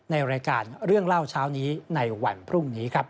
ในรายการเรื่องเล่าเช้านี้ในวันพรุ่งนี้ครับ